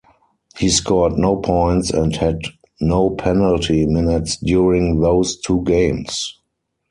He scored no points and had no penalty minutes during those two games.